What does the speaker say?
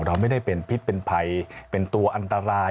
เราไม่ได้เป็นพิษเป็นภัยเป็นตัวอันตราย